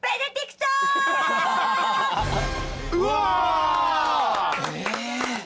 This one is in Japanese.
うわ！